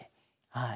はい。